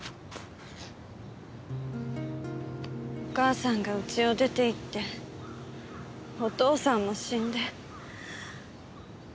お母さんが家を出ていってお父さんも死んで。